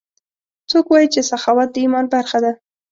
څوک وایي چې سخاوت د ایمان برخه ده